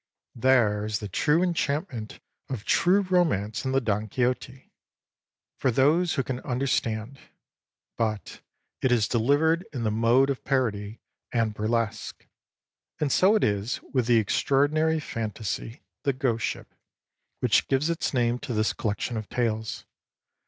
There is the true enchantment of true romance in the Don Quixote for those who can understand but it is delivered in the mode of parody and burlesque; and so it is with the extraordinary fantasy, " The Ghost Ship," which gives its name to this collection of tales.